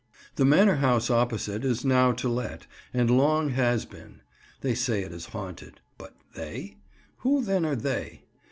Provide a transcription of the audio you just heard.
The manor house opposite is now to let, and long has been. They say it is haunted—but "they"? Who then are they?